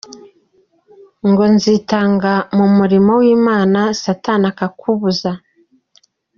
Ngo nzitanga mu murimo w’Imana, satani akakubuza.